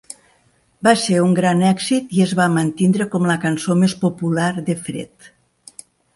Va ser un gran èxit i es va mantindre com la cançó més popular de Fred.